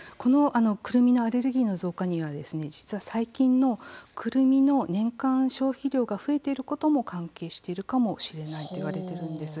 くるみのアレルギーの増加には実は最近のくるみの年間消費量が増えていることも関係しているかもしれないといわれているんです。